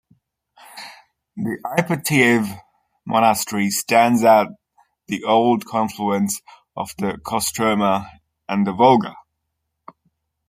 The Ipatiev Monastery stands at the old confluence of the Kostroma and the Volga.